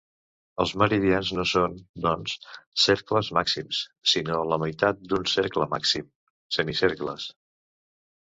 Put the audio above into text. Els meridians no són, doncs, cercles màxims, sinó la meitat d'un cercle màxim: semicercles.